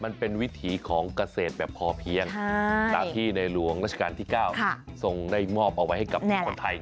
วิถีของเกษตรแบบพอเพียงตามที่ในหลวงราชการที่๙ทรงได้มอบเอาไว้ให้กับคนไทย